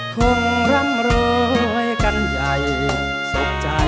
คงร่ำรวยกันใหญ่สุขใจ